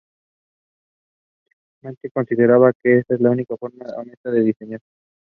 It usually freezes over from December to March.